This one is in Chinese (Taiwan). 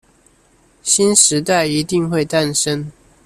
新時代一定會誕生